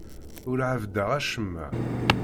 Ur ɛebbdeɣ acemma.